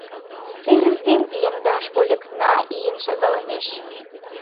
Терыс дене ӱяҥдаш вольыкна ийын шагалемеш.